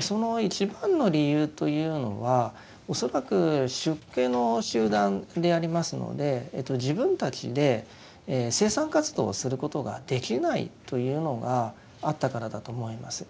その一番の理由というのは恐らく出家の集団でありますので自分たちでというのがあったからだと思います。